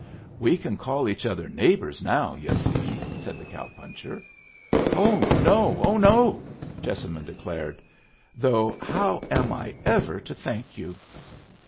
"We can call each other neighbors now, yu' see," said the cow puncher. "Oh no! oh no!" Jessamine declared. "Though how am I ever to thank you?"